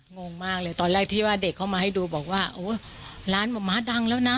งงมากเลยตอนแรกที่ว่าเด็กเข้ามาให้ดูบอกว่าโอ้ร้านมะม้าดังแล้วนะ